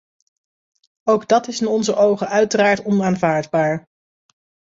Ook dat is in onze ogen uiteraard onaanvaardbaar.